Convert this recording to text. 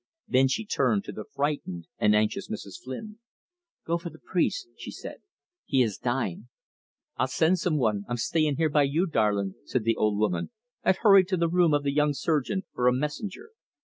Then she turned to the frightened and anxious Mrs. Flynn. "Go for the priest," she said. "He is dying." "I'll send some one. I'm stayin' here by you, darlin'," said the old woman, and hurried to the room of the young surgeon for a messenger.